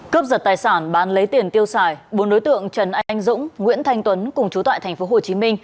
cướp giật tài sản bán lấy tiền tiêu xài bốn đối tượng trần anh dũng nguyễn thanh tuấn cùng chú tại tp hcm